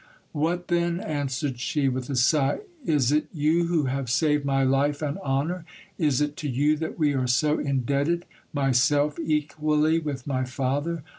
What then ! answered she, with a sigh, is it vou who have saved my life and honour? Is it to you that we are so indebted, myself equally with my father